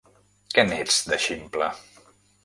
Que n'ets, de ximple!